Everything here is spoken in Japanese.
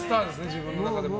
自分の中での。